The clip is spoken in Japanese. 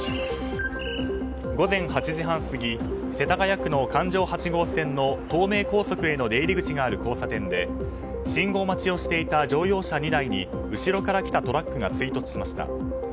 午前８時半過ぎ世田谷区の環状８号線の東名高速への出入り口がある交差点で信号待ちをしていた乗用車２台に後ろから来たトラックが追突しました。